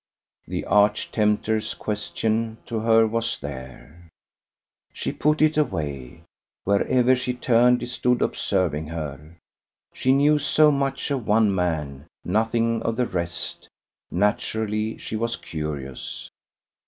The arch tempter's question to her was there. She put it away. Wherever she turned it stood observing her. She knew so much of one man, nothing of the rest: naturally she was curious.